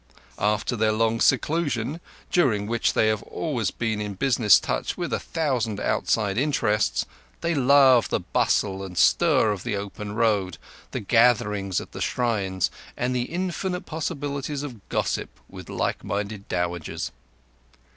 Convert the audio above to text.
After their long seclusion, during which they have always been in business touch with a thousand outside interests, they love the bustle and stir of the open road, the gatherings at the shrines, and the infinite possibilities of gossip with like minded dowagers.